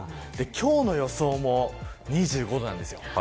今日の予想も２５度なんです。